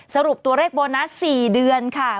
สรุปตัวเลขโบนัส๔เดือนค่ะ